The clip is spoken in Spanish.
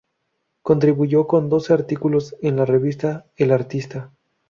Contribuyó con doce artículos en la revista "El Artista".